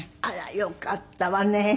あらよかったわね。